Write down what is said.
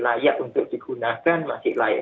layak untuk digunakan masih layak